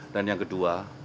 dan yang kedua